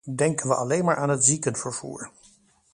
Denken we alleen maar aan het ziekenvervoer.